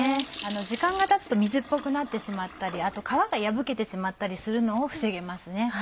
時間がたつと水っぽくなってしまったり皮が破けてしまったりするのを防げます。